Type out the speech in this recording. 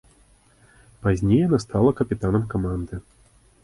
Пазней яна стала капітанам каманды.